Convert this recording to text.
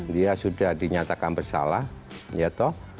dia sudah dinyatakan bersalah ya toh